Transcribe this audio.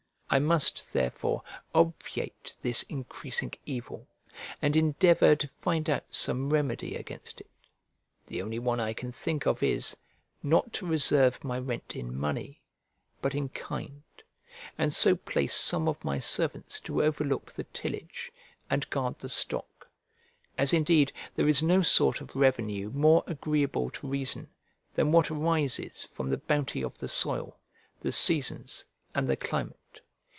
I must therefore obviate this increasing evil, and endeavour to find out some remedy against it. The only one I can think of is, not to reserve my rent in money, but in kind, and so place some of my servants to overlook the tillage, and guard the stock; as indeed there is no sort of revenue more agreeable to reason than what arises from the bounty of the soil, the seasons, and the climate.